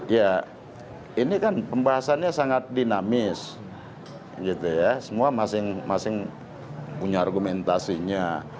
ya ini kan pembahasannya sangat dinamis gitu ya semua masing masing punya argumentasinya